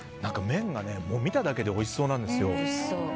麺が見ただけでおいしそうなんですよ。